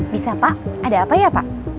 bisa pak ada apa ya pak